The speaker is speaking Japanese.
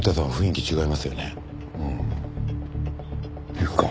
行くか。